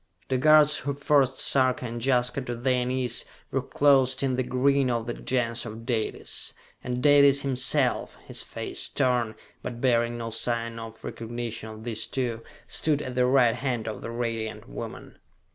The guards who forced Sarka and Jaska to their knees, were clothed in the green of the Gens of Dalis, and Dalis himself, his face stern, but bearing no sign of recognition of these two, stood at the right hand of the Radiant Woman!